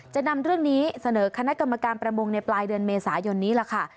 จะนำเรื่องนี้เสนอคณะกรรมการประมงในปลายเดือนเมษายนนี้ล่ะค่ะ